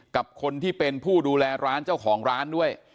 กับคนที่เป็นผู้ดูแลร้านเจ้าของร้านด้วย